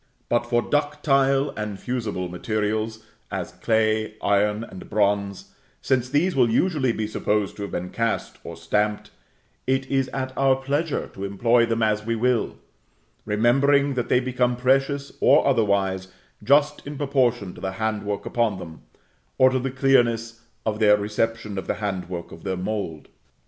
But for ductile and fusible materials, as clay, iron, and bronze, since these will usually be supposed to have been cast or stamped, it is at our pleasure to employ them as we will; remembering that they become precious, or otherwise, just in proportion to the hand work upon them, or to the clearness of their reception of the hand work of their mould.